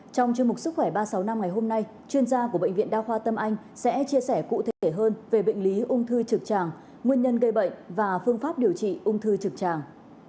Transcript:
trong chương mục sức khỏe ba trăm sáu mươi năm ngày hôm nay chuyên gia của bệnh viện đa khoa tâm anh sẽ chia sẻ cụ thể hơn về bệnh lý ung thư trực tràng nguyên nhân gây bệnh và phương pháp điều trị ung thư trực tràng